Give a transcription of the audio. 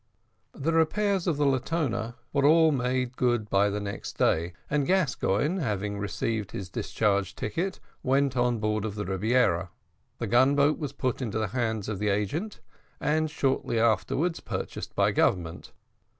The repairs of the Latona were all made good by the next day, and Gascoigne, having received his discharge ticket, went on board the Rebiera. The gun boat was put into the hands of the agent, and shortly afterwards purchased by Government.